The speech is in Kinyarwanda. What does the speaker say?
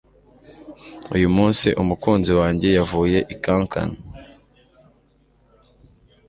uyu munsi, umukunzi wanjye yavuye i cancún